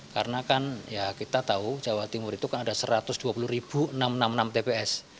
karena kita tahu jawa timur itu kan ada satu ratus dua puluh enam ratus enam puluh enam tps